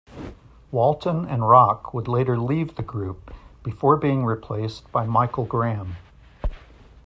Walton and Rock would later leave the group before being replaced by Michael Graham.